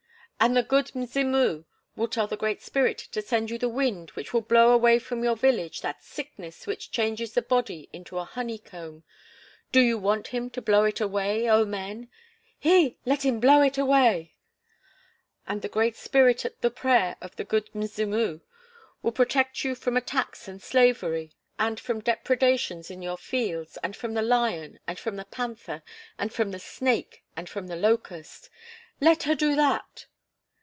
"And the 'Good Mzimu' will tell the Great Spirit to send to you the wind, which will blow away from your village that sickness which changes the body into a honey comb. Do you want him to blow it away oh, men?" "He! Let him blow it away!" "And the Great Spirit at the prayer of the 'Good Mzimu' will protect you from attacks and slavery and from depredations in your fields and from the lion and from the panther and from the snake and from the locust " "Let her do that."